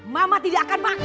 mama tidak akan makan